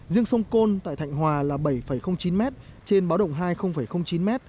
riêng sông côn tại thạnh hòa là bảy chín m trên báo động hai chín m